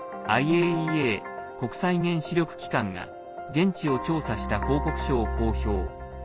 ＩＡＥＡ＝国際原子力機関が現地を調査した報告書を公表。